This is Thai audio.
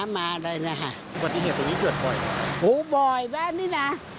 บ่อยบ่อยแบ่งนี้นะ